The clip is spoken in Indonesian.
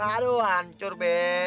aduh hancur be